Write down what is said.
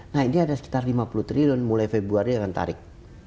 nah ini ada sekitar lima puluh triliun mulai februari akan tarik